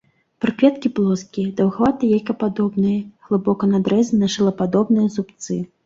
Прыкветкі плоскія, даўгавата-яйкападобныя, глыбока надрэзаныя на шылападобныя зубцы.